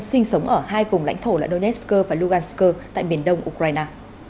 sinh sống ở hai vùng lãnh thổ là donessk và lugansk tại miền đông ukraine